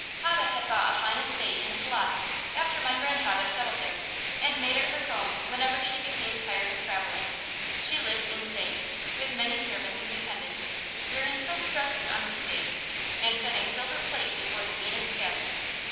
Hode had bought a fine estate in Polotzk, after my grandfather settled there, and made it her home whenever she became tired of travelling. She lived in state, with many servants and dependents, wearing silk dresses on week days, and setting silver plate before the meanest guest.